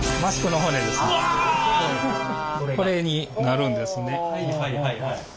これになるんですね。